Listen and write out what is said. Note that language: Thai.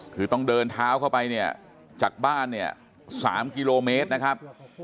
คือต้องเดินเท้าเข้าไปเนี่ยจากบ้านเนี่ย๓กิโลเมตรนะครับ